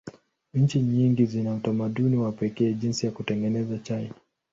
Nchi nyingi zina utamaduni wa pekee jinsi ya kutengeneza chai.